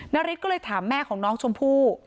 นาริสก็เลยถามแม่ของน้องชมพู่